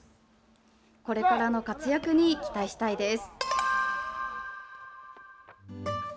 これからの活躍に期待したいです。